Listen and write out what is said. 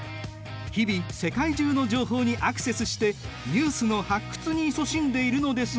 日々世界中の情報にアクセスしてニュースの発掘にいそしんでいるのですが。